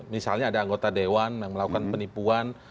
misalnya ada anggota dewan yang melakukan penipuan